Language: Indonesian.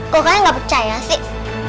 kok kayaknya nggak percaya sih